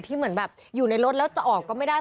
เหมือนแบบอยู่ในรถแล้วจะออกก็ไม่ได้